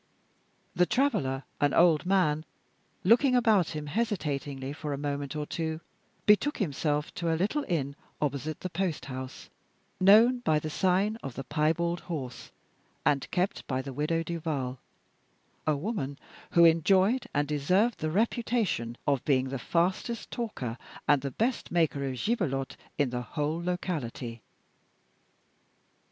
The traveler, an old man, after looking about him hesitatingly for a moment or two, betook himself to a little inn opposite the post house, known by the sign of the Piebald Horse, and kept by the Widow Duval a woman who enjoyed and deserved the reputation of being the fastest talker and the best maker of gibelotte in the whole locality.